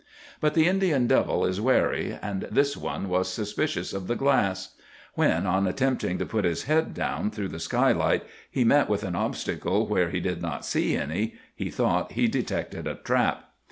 "But the Indian devil is wary, and this one was suspicious of the glass. When, on attempting to put his head down through the skylight, he met with an obstacle where he did not see any, he thought he detected a trap.